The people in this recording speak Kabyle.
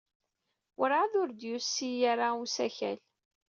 Werɛad ur d-yusi ara usakal.